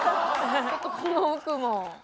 ちょっとこの服も。